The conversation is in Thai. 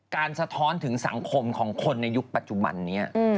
สะท้อนถึงสังคมของคนในยุคปัจจุบันนี้